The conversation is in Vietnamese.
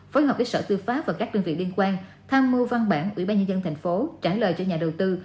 phối hợp với sở tư pháp và các đơn vị liên quan tham mưu văn bản ủy ban nhân dân thành phố trả lời cho nhà đầu tư